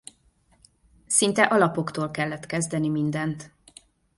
Szinte alapoktól kellett kezdeni mindent.